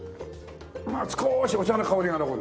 少しお茶の香りが残る。